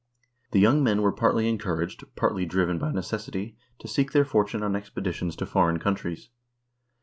The young men were partly encouraged, partly driven by necessity to seek their fortune on expeditions to foreign countries.